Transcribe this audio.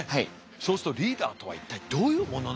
そうするとリーダーとは一体どういうものなのか。